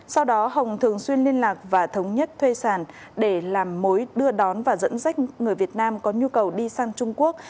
sau đó hồng thường xuyên liên lạc và thống nhất thuê sản để làm mối đưa đón và dẫn dắt người việt nam có nhu cầu đi sang trung quốc